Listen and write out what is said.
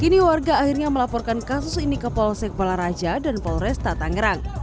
kini warga akhirnya melaporkan kasus ini ke polsek balaraja dan polresta tangerang